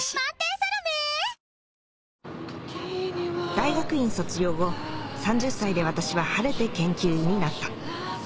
大学院卒業後３０歳で私は晴れて研究員になった